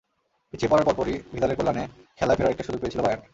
পিছিয়ে পড়ার পরপরই ভিদালের কল্যাণে খেলায় ফেরার একটা সুযোগ পেয়েছিল বায়ার্ন।